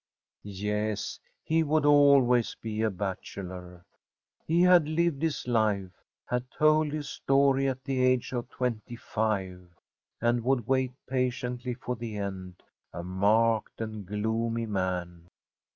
Yes, he would always be a bachelor. He had lived his life, had told his story at the age of twenty five, and would wait patiently for the end, a marked and gloomy man.